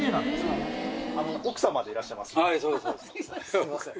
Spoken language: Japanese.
すいません。